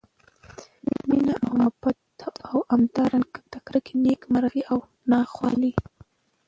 مېنه او محبت او همدا رنګه د کرکي، نیک مرغۍ او نا خوالۍ